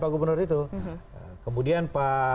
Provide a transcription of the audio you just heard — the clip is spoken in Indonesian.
pak gubernur itu kemudian pak